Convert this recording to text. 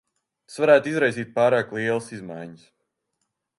Tas varētu izraisīt pārāk lielas izmaiņas.